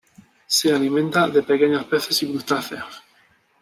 Se alimenta de pequeños peces y crustáceos.